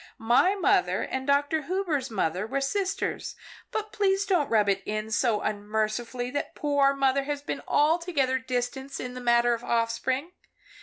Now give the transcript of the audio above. My mother and Dr. Hubers' mother were sisters, but please don't rub it in so unmercifully that poor mother has been altogether distanced in the matter of offspring.